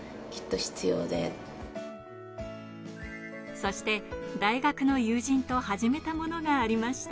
そして大学の友人と始めたものがありました。